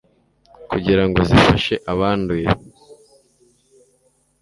kugira ngo zifashe abanduye